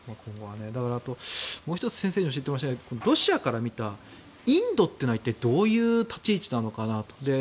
もう１つ先生に教えてほしいのがロシアから見たインドというのはどういう立ち位置なのかなと。